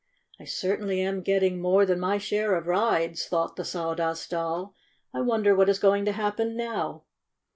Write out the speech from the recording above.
"I certainly am getting more than my share of rides," thought the Sawdust Doll. "I wonder what is going to happen now!"